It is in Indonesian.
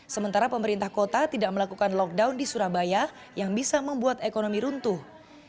sementara pemerintah kota tidak melakukan lockdown di surabaya yang bisa membuat ekonomi runtuh